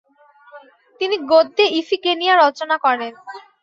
তিনি গদ্যে ইফিগেনিয়া রচনা করেন।